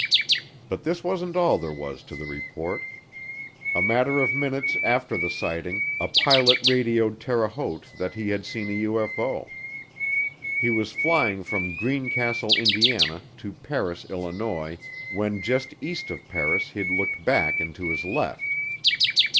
But this wasn't all there was to the report. A matter of minutes after the sighting a pilot radioed Terre Haute that he had seen a UFO. He was flying from Greencastle, Indiana, to Paris, Illinois, when just east of Paris he'd looked back and to his left.